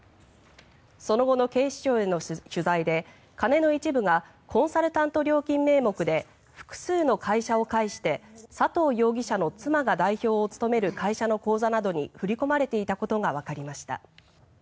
その後の警視庁への取材で金の一部がコンサルタント料金名目で複数の会社を介して佐藤容疑者の妻が代表を務める会社の口座などに振り込まれていたことがわかりました。